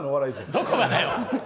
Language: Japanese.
どこがだよ。